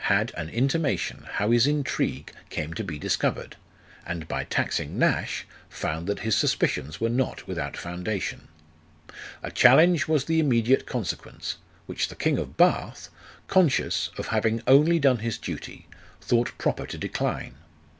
had an intimation how his intrigue came to be discovered, and by taxing Nash, found that his suspicions were not without foundation. A challenge was the immediate consequence, which the king of Bath, conscious of having only done his duty, thought proper to decline.